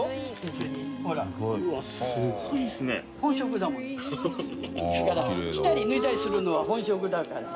店主）着たり脱いだりするのは本職だから。